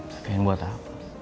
jagain buat apa